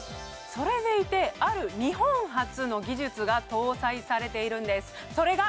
それでいてある日本初の技術が搭載されているんですそれが